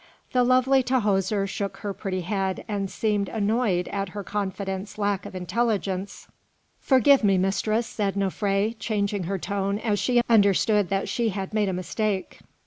The lovely Tahoser shook her pretty head and seemed annoyed at her confidante's lack of intelligence. "Forgive me, mistress," said Nofré, changing her tone as she understood that she had made a mistake.